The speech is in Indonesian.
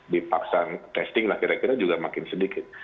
dipaksa testing lah kira kira juga makin sedikit